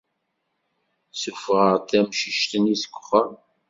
Ssufɣeɣ tamcict-nni seg uxxam.